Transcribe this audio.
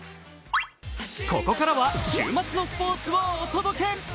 ここからは週末のスポーツをお届け。